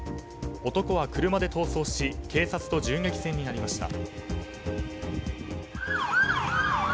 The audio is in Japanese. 男は車で逃走し警察と銃撃戦になりました。